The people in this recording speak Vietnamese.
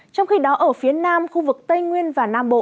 trong khi đó ở phía nam khu vực tây nguyên và nam bộ